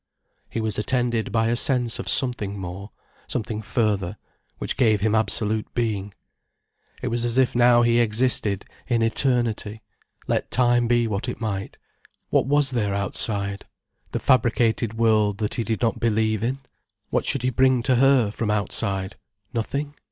He was attended by a sense of something more, something further, which gave him absolute being. It was as if now he existed in Eternity, let Time be what it might. What was there outside? The fabricated world, that he did not believe in? What should he bring to her, from outside? Nothing?